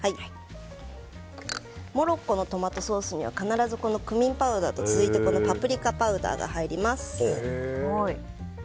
モロッコのトマトソースには必ずクミンパウダーとパプリカパウダーが入ります。